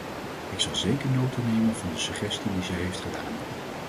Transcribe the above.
Ik zal zeker nota nemen van de suggestie die zij heeft gedaan.